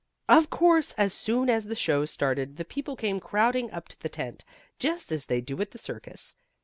Of course, as soon as the show started the people came crowding up to the tent, just as they do at the circus.